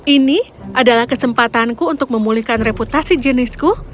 ini adalah kesempatanku untuk memulihkan reputasi jenisku